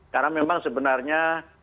karena memang sebenarnya